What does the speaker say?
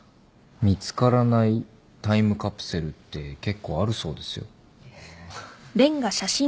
見つからないタイムカプセルって結構あるそうですよ。